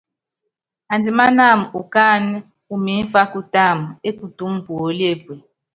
Andimánáma ukánɛ umimfá kutáma ékutúmu puóli epue.